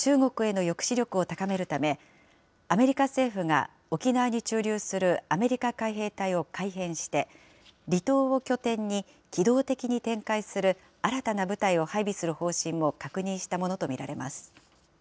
さらに、海洋進出を強める中国への抑止力を高めるため、アメリカ政府が沖縄に駐留するアメリカ海兵隊を改編して、離島を拠点に機動的に展開する新たな部隊を配備する方針も確認したものと見られます。